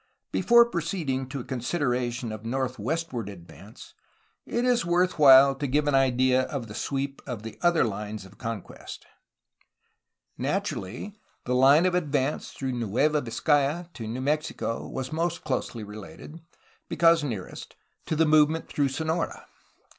Before proceeding to a consideration of northwestward advance, it is worth while to give an idea, of the sweep of the other lines of conquest. Naturally, the line of advance through Nueva Vizcaya to New Mexico was most closely related, because nearest, to the movement through Sonora.